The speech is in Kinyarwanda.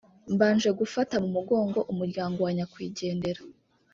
Mbanje gufata mumugongo umuryango wa nyakwigendera